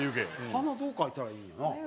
鼻どう描いたらいいんやろうな。